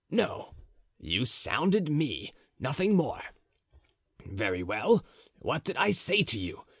No, you sounded me, nothing more. Very well what did I say to you?